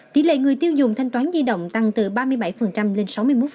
tỷ lệ người tiêu dùng thanh toán di động tăng từ ba mươi bảy lên sáu mươi một